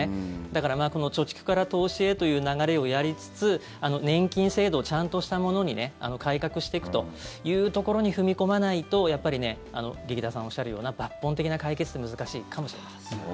だから、貯蓄から投資へという流れをやりつつ年金制度をちゃんとしたものに改革していくというところに踏み込まないと劇団さんがおっしゃるような抜本的な解決って難しいかもしれません。